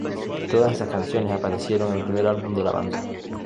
Todas esas canciones aparecieron en el primer álbum de la banda.